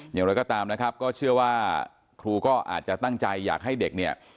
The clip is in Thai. อย่างไรก็ตามนะครับก็เชื่อว่าครูก็อาจจะตั้งใจอยากให้เด็กเนี่ย